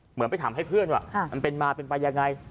เหมือนไปถามให้เพื่อนว่ามันเป็นมาเป็นไปยังไง